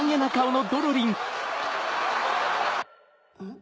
ん？